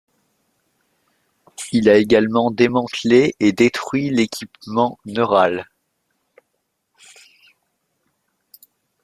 Il a également démantelé et détruit l'équipement neural.